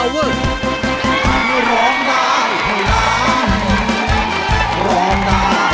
หลอกหน้าอีกหนึ่ง